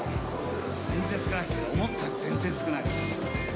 全然少ないです、思ったより全然少ないです。